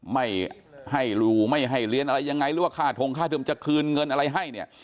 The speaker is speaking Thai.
ไม่ให้รูไม่ให้เรียนอะไรยังไงหรือว่าค่าทงค่าเทิมจะคืนเงินอะไรให้เนี่ย